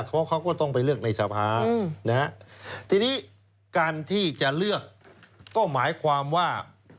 เพราะเขาก็ต้องไปเลือกในสภานะฮะทีนี้การที่จะเลือกก็หมายความว่า